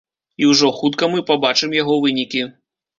І ўжо хутка мы пабачым яго вынікі.